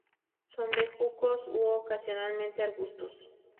Son bejucos u ocasionalmente arbustos.